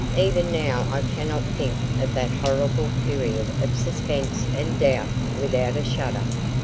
Even now I cannot think of that horrible period of suspense and doubt without a shudder.